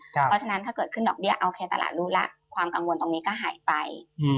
เพราะฉะนั้นถ้าเกิดขึ้นดอกเบี้ยโอเคตลาดรู้แล้วความกังวลตรงนี้ก็หายไป